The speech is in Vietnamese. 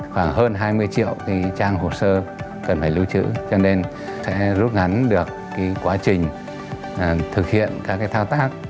khoảng hơn hai mươi triệu trang hồ sơ cần phải lưu trữ cho nên sẽ rút ngắn được quá trình thực hiện các thao tác